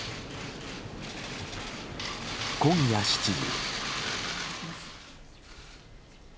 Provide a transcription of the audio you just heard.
今夜７時。